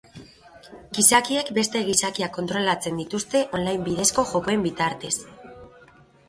Gizakiek beste gizakiak kontrolatzen dituzte online bidezko jokoen bitartez.